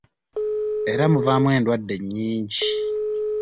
Era muvaamu endwadde ennyingi.